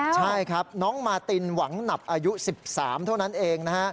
ใช่ครับน้องมาตินหวังหนับอายุ๑๓เท่านั้นเองนะฮะ